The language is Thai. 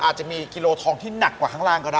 อาจจะมีกิโลทองที่หนักกว่าข้างล่างก็ได้